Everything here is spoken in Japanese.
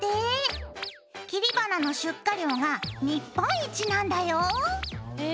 切り花の出荷量が日本一なんだよ！へ！